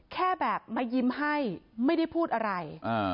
แค่แบบมายิ้มให้ไม่ได้พูดอะไร